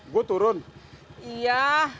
gua turun iya